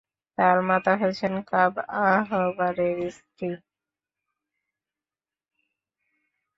তাঁর মাতা হচ্ছেন কাব আহবারের স্ত্রী।